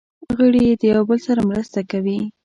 غړي یې د یو بل سره مرسته کوي.